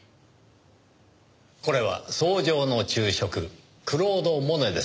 これは『草上の昼食』クロード・モネです。